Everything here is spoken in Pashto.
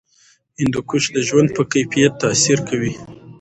هندوکش د ژوند په کیفیت تاثیر کوي.